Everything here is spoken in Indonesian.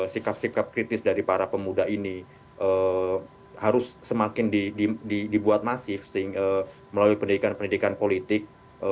sikap sikap kritis dari para pemuda ini harus semakin dibuat masif melalui pendidikan pendidikan politik